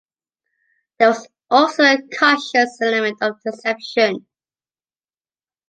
There was also a conscious element of deception.